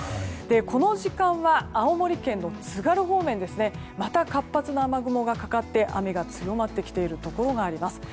この時間は青森県の津軽方面でまた活発な雨雲がかかって雨が強まってきているところがあります。